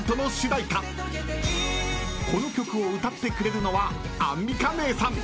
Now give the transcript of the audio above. ［この曲を歌ってくれるのはアンミカ姉さん］